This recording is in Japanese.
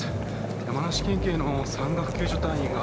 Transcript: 山梨県警の山岳救助隊員が